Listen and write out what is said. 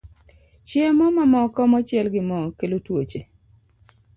Chiemo mamoko mochiel gi mo kelo tuoche